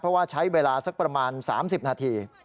เพราะว่าใช้เวลาสักประมาณ๓๐นาที